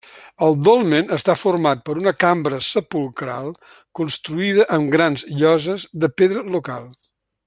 El dolmen està format per una cambra sepulcral construïda amb grans lloses de pedra local.